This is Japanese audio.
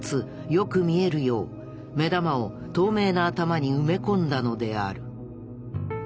よく見えるよう目玉を透明な頭に埋め込んだのである。